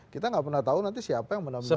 kita nggak pernah tahu nanti siapa yang benar benar